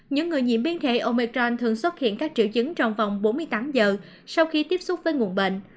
những người nhiễm biến thể omecron thường xuất hiện các triệu chứng trong vòng bốn mươi tám giờ sau khi tiếp xúc với nguồn bệnh